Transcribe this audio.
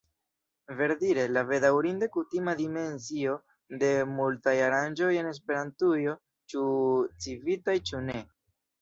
Verdire, la bedaŭrinde kutima dimensio de multaj aranĝoj en Esperantujo, ĉu Civitaj ĉu ne.